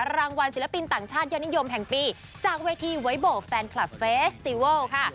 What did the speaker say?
รางวัลศิลปินต่างชาติยอดนิยมแห่งปีจากเวทีไวโบแฟนคลับเฟสติเวิลค่ะ